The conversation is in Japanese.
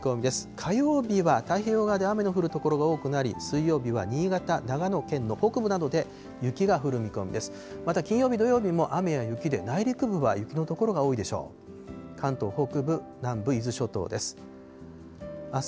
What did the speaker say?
火曜日は太平洋側で雨の降る所が多くなり、水曜日は新潟、長野県の北部などで雪が降る見込みです。